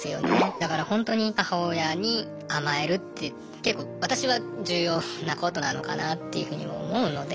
だからほんとに母親に甘えるって結構私は重要なことなのかなっていうふうに思うので。